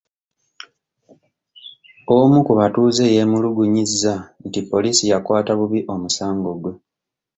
Omu ku batuuze yeemulugunyizza nti poliisi yakwata bubi omusango gwe.